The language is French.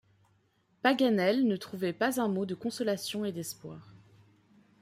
Paganel ne trouvait pas un mot de consolation et d’espoir.